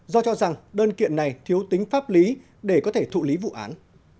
do cho rằng đơn kiện này thiếu tính pháp lý để có thể thụ lý vụ án